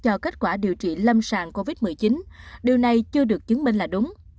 cho kết quả điều trị lâm sàng covid một mươi chín điều này chưa được chứng minh là đúng